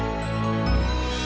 mak deswegen mau kesini ya